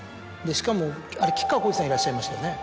しかもあれ吉川晃司さんいらっしゃいましたよね？